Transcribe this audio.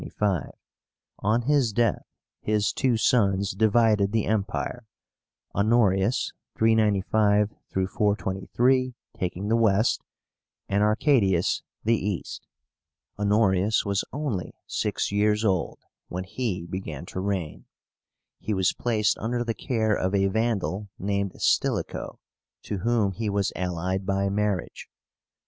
On his death his two sons divided the Empire, HONORIUS (395 423) taking the West, and Arcadius the East. Honorius was only six years old when he began to reign. He was placed under the care of a Vandal named STILICHO, to whom he was allied by marriage.